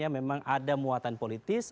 memang ada muatan politis